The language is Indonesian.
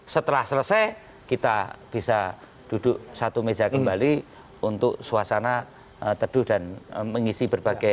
setelah selesai kita bisa duduk satu meja kembali untuk suasana teduh dan mengisi berbagai